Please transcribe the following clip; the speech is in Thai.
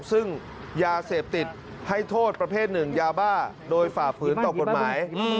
ซึ่งยาเสพติดให้โทษประเภทหนึ่งยาบ้าโดยฝ่าฝืนต่อกฎหมาย